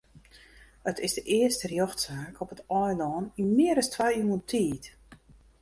It is de earste rjochtsaak op it eilân yn mear as twa iuwen tiid.